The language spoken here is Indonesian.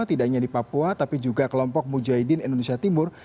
tidak hanya di papua tapi juga kelompok mujahidin indonesia timur